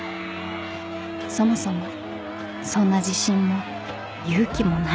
［そもそもそんな自信も勇気もないくせに］